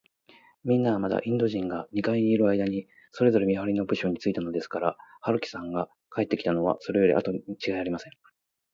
みんなは、まだインド人が二階にいるあいだに、それぞれ見はりの部署についたのですから、春木さんが帰ってきたのは、それよりあとにちがいありません。